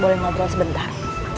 boleh ngobrol sebentar